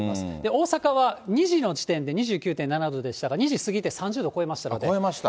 大阪は２時の時点で２９．７度でしたが、２時過ぎて３０度超えま超えました。